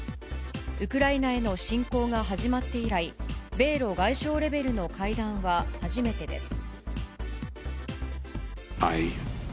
ウクライナへの侵攻が始まって以来、米ロ外相レベルの会談は初めてです。